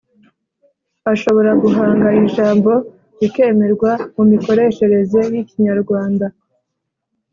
ashobora guhanga ijambo rikemerwa mu mikoreshereze y’ikinyarwanda,